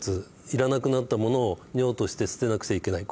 いらなくなったものを尿として捨てなくちゃいけない。